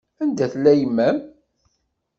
Anda tella yemma-m?